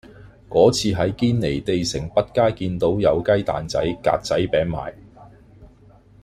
嗰次喺堅尼地城北街見到有雞蛋仔格仔餅賣